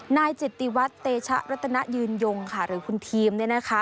นายจิตตีวัฒน์เตชะรัตนายืนยงค่ะหรือคุณทีมนี่นะคะ